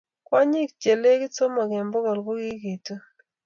Kwonyik che lekit sosom eng pokol kokiketun